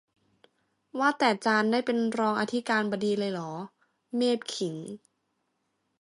ว่าแต่จารย์ได้เป็นรองอธิการบดีเลยเหรอ เมพขิง